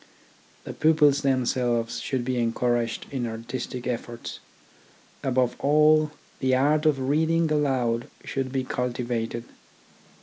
The pupils them selves should be encouraged in artistic efforts. Above all the art of reading aloud should be cultivated.